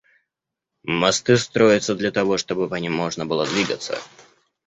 Мосты строятся для того, чтобы по ним можно было двигаться.